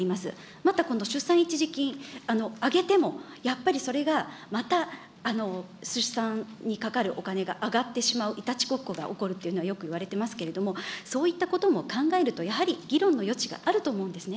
また、今度、出産一時金上げても、やっぱりそれがまた出産にかかるお金が上がってしまういたちごっこが起こるというのはよくいわれてますけれども、そういったことも考えると、やはり議論の余地があると思うんですね。